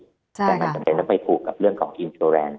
แต่มันจำเป็นมันไม่ผูกกับเรื่องของอินโทรแรนด์